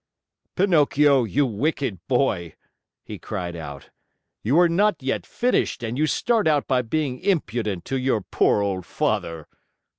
"Pinocchio, you wicked boy!" he cried out. "You are not yet finished, and you start out by being impudent to your poor old father.